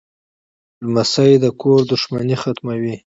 لمسی د کور دښمنۍ ختموي.